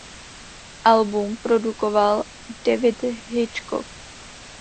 Album produkoval David Hitchcock.